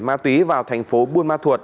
ma túy vào thành phố buôn ma thuột